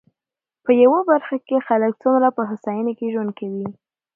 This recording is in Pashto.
په يوه برخه کې يې خلک څومره په هوساينه کې ژوند کوي.